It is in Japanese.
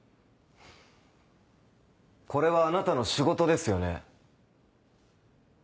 これはあなたの仕事ですよね？